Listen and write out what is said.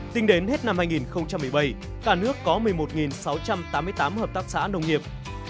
tính đến hết năm hai nghìn một mươi bảy cả nước có một mươi một sáu trăm tám mươi tám hợp tác xã nông nghiệp